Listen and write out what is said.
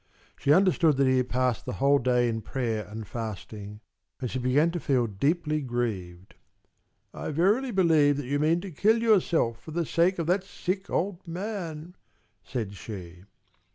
She understood that he had passed the whole day in prayer and fasting, and she began to feel deeply grieved. "I verily believe that you mean to kill yourself for the sake of that sick old man!" said she.